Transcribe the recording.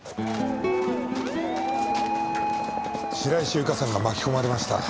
白石ゆかさんが巻き込まれました。